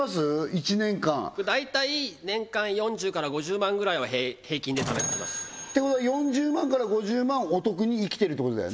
１年間大体年間４０５０万ぐらいは平均でてことは４０万から５０万お得に生きてるってことだよね